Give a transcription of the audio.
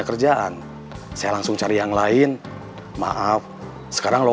kedatangan calon mahasiswa baru